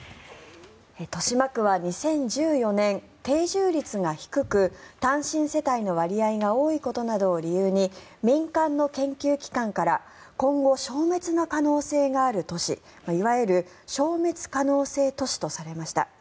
豊島区は２０１４年定住率が低く単身世帯の割合が多いことなどを理由に民間の研究機関から今後、消滅の可能性がある都市いわゆる消滅可能性都市とされました。